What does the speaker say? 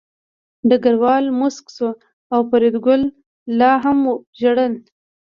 ډګروال موسک شو او فریدګل لا هم ژړل